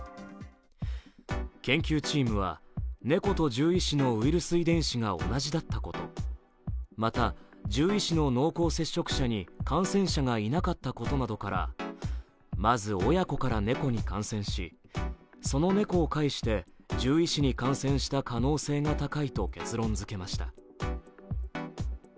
研究チームは、ネコと獣医師のウイルス遺伝子が同じだったこと、また、獣医師の濃厚接触者に感染者がいなかったことなどからまず親子からネコに感染し、そのネコを介して獣医師に感染した可能性が高いと結論づけました。